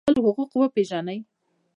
خپل حقوق وپیژنئ